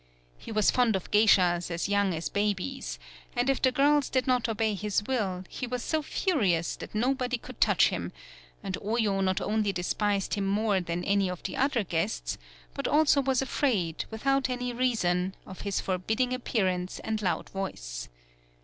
He was fond of geishas as young as babies, and if the girls did not obey his will, he was so furious that no body could touch him, and Oyo not only despised him more than any of the other guests, but also was afraid, without any reason, of his forbidding appearance and loud voice.